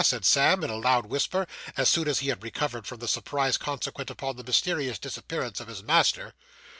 said Sam, in a loud whisper, as soon as he had recovered from the surprise consequent upon the mysterious disappearance of his master.